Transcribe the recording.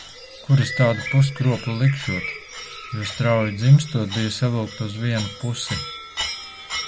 Kur es tādu puskropli likšot, jo strauji dzimstot bija savilkta uz vienu pusi.